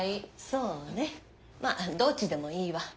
そうねまあどっちでもいいわ。